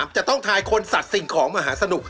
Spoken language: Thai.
จะต้องทายคนสัตว์สิ่งของมหาสนุก